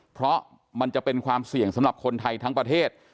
เพราะมันจะเป็นความเสี่ยงสำหรับคนไทยทั้งประเทศ